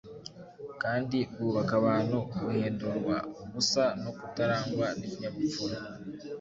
kandi bwubaka abantu buhindurwa ubusa no kutarangwa n’ikinyabupfura.